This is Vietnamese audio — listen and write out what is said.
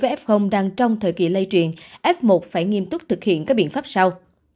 trong thời gian cuối với f đang trong thời kỳ lây truyền f một phải nghiêm túc thực hiện các biện pháp sau